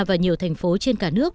và nhiều thành phố trên cả nước